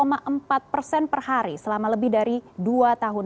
dan menetapkan empat per hari selama lebih dari dua tahun